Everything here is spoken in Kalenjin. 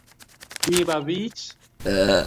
kiba biich